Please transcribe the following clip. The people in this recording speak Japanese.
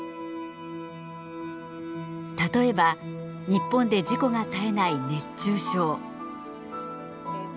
例えば日本で事故が絶えない熱中症。